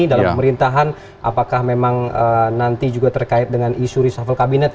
dalam pemerintahan apakah memang nanti juga terkait dengan isu reshuffle kabinet